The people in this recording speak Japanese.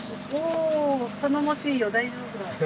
お頼もしいよ大丈夫だ。